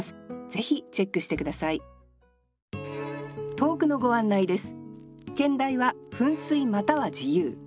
投句のご案内です